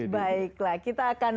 baiklah kita akan